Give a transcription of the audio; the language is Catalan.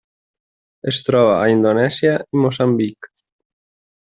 Es troba a Indonèsia i Moçambic.